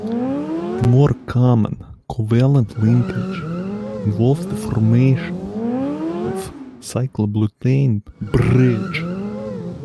The more common covalent linkage involves the formation of a cyclobutane bridge.